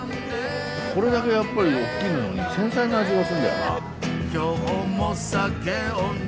これだけやっぱり大きいのに繊細な味がするんだよな。